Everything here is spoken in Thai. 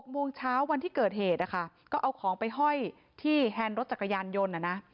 โมงเช้าวันที่เกิดเหตุนะคะก็เอาของไปห้อยที่แฮนด์รถจักรยานยนต์